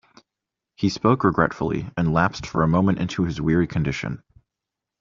He spoke regretfully and lapsed for a moment into his weary condition.